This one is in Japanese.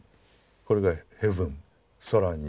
これがヘブン「空に」。